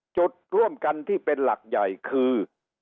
จุดร่วมกันที่เป็นหลักใหญ่คือ